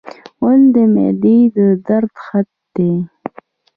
غول د معدې د درد خط دی.